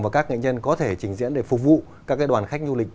để các nghệ nhân có thể chỉnh diễn để phục vụ các đoàn khách du lịch